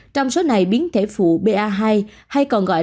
trong số này biến thể phụ ba hai hay còn gọi là b a hai là một trong những bệnh phẩm